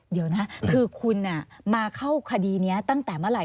เดี๋ยวนะคือคุณมาเข้าคดีนี้ตั้งแต่เมื่อไหร